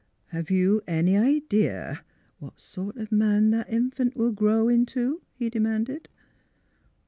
" Have you any idea what sort of man that infant will grow into? " he demanded.